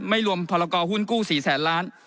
ไม่รวมพรกรหุ้นกู้๔แสนล้าน